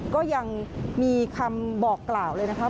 ก็ยังมีคำบอกกล่าวเลยนะคะ